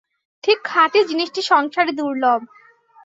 ঠিক খাঁটি জিনিসটি সংসারে দুর্লভ।